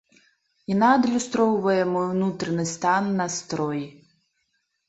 Яна адлюстроўвае мой унутраны стан, настрой.